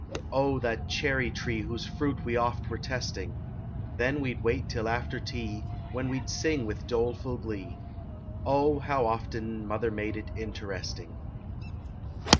Oh ! that cherry tree whose fruit we oft Were testing. Then we d wait till after tea, When we d sing with doleful glee. Oh ! how often mother made it Interesting.